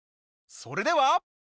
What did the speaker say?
それでは。